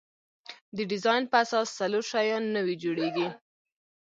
د ډیزاین په اساس څلور شیان نوي جوړیږي.